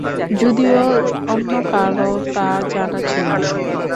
যদিও অন্য কারো তা জানা ছিল না।